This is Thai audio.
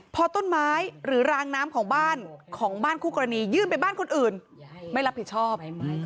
พอต้นไม้หรือรางน้ำของบ้านของบ้านคู่กรณียื่นไปบ้านคนอื่นไม่รับผิดชอบ